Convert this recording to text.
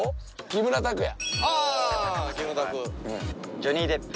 ジョニー・デップ。